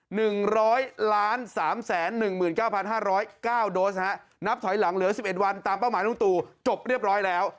หนึ่งร้อยล้านสามแสนหนึ่งหมื่นเก้าพันห้าร้อยเก้าโดสฮะนับถอยหลังเหลือสิบเอ็ดวันตามเป้าหมายลุงตู่จบเรียบร้อยแล้ว